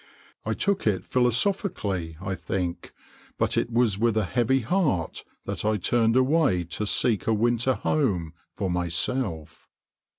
I took it philosophically, I think, but it was with a heavy heart that I turned away to seek a winter home for myself.